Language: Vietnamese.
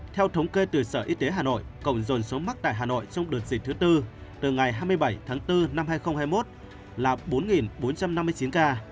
theo thống kê từ sở y tế hà nội cộng dồn số mắc tại hà nội trong đợt dịch thứ tư từ ngày hai mươi bảy tháng bốn năm hai nghìn hai mươi một là bốn bốn trăm năm mươi chín ca